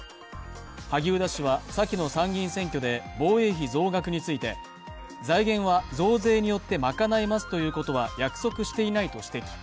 萩生田氏はさきの参議院選挙で防衛費増額について財源は増税によって賄いますということは約束していないと指摘。